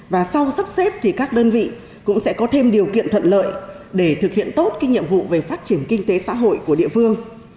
và sau sắp xếp thì các đơn vị cũng sẽ có thêm điều kiện thuận lợi để thực hiện tốt cái nhiệm vụ về phát triển kinh tế xã hội của địa phương